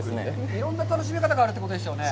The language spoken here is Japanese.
いろんな楽しみ方があるということですよね。